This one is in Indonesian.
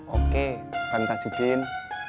oke kan tak cukin